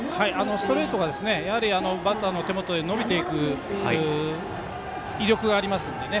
ストレートがバッターの手元で伸びていく威力がありますのでね。